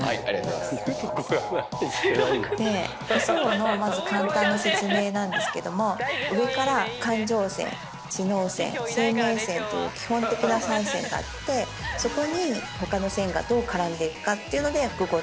で手相のまず簡単な説明なんですけども上から感情線知能線生命線という基本的な３線があってそこに他の線がどう絡んでいくかっていうので複合的に見てます。